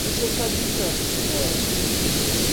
Você está brincando, senhora!